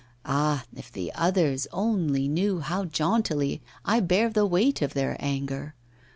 Ah! if the others only knew how jauntily I bear the weight of their anger.